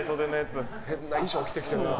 変な衣装着てきて。